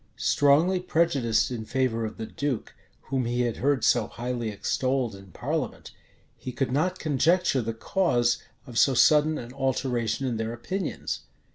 Strongly prejudiced in favor of the duke, whom he had heard so highly extolled in parliament, he could not conjecture the cause of so sudden an alteration in their opinions.